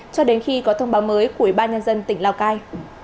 cho đến khi có thông báo mới của ubnd tỉnh lào cai